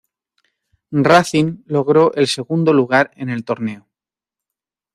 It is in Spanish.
Racing logró el segundo lugar en el torneo.